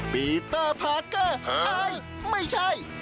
ปีเตอร์พาร์เกอร์อายไม่ใช่